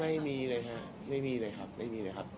ไม่มีเลยครับไม่มีเลยครับไม่มีเลยครับ